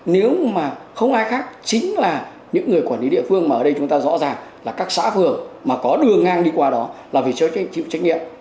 nếu mà không ai khác chính là những người quản lý địa phương mà ở đây chúng ta rõ ràng là các xã phường mà có đường ngang đi qua đó là phải chịu trách nhiệm